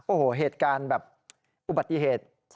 โอ้โหเหตุการณ์แบบอุบัติเหตุ